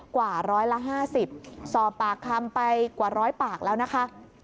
กว่าร้อยละ๕๐สอบปากคำไปกว่าร้อยปากแล้วนะคะ